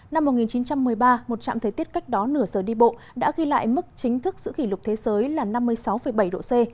năm một nghìn chín trăm một mươi ba một trạm thời tiết cách đó nửa giờ đi bộ đã ghi lại mức chính thức giữ kỷ lục thế giới là năm mươi sáu bảy độ c